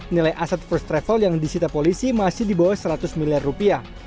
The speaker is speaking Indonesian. nilai aset first travel yang disita polisi masih di bawah seratus miliar rupiah